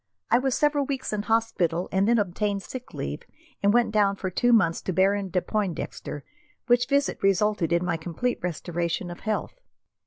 I was several weeks in hospital, and then obtained sick leave and went down for two months to Baron de Pointdexter, which visit resulted in my complete restoration to health.